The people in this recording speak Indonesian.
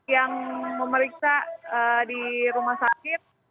yang memeriksa di rumah sakit